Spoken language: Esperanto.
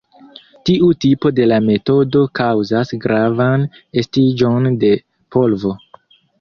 Tiu tipo de la metodo kaŭzas gravan estiĝon de polvo.